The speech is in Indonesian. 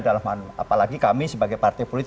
apalagi kami sebagai partai politik